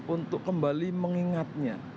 untuk kembali mengingatnya